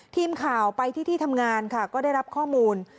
ทีมข่าวไปที่ที่ทำงานค่ะก็ได้รับข้อมูล